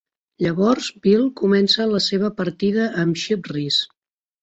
Llavors, Beal comença la seva partida amb Chip Reese.